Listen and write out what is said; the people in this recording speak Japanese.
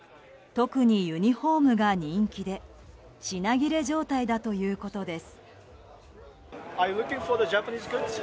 特にユニホームが人気で品切れ状態だということです。